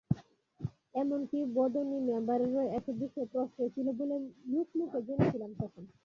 এমনকি বদনী মেম্বারেরও এসব বিষয়ে প্রশ্রয় ছিল বলে লোকমুখে জেনেছিলাম তখন।